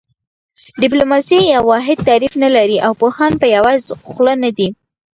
ډیپلوماسي یو واحد تعریف نه لري او پوهان په یوه خوله نه دي